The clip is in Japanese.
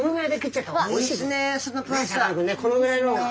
このぐらいの方が。